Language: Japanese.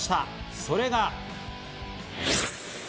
それが。